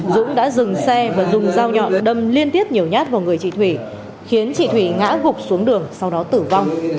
dũng đã dừng xe và dùng dao nhọn đâm liên tiếp nhiều nhát vào người chị thủy khiến chị thủy ngã gục xuống đường sau đó tử vong